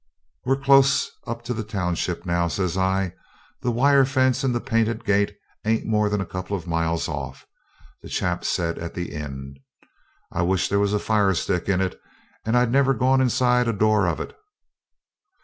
'We're close up to the township now,' says I. 'This wire fence and the painted gate ain't more than a couple of miles off, that chap said at the inn. I wish there was a fire stick in it, and I'd never gone inside a door of it.